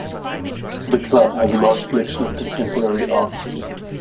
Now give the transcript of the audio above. The Club has a large collection of contemporary art.